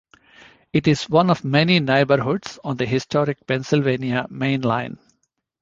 It is one of many neighborhoods on the historic Pennsylvania Main Line.